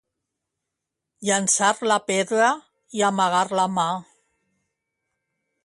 Llençar la pedra i amagar la mà